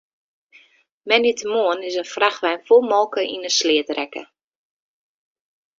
Moandeitemoarn is in frachtwein fol molke yn 'e sleat rekke.